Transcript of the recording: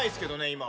今。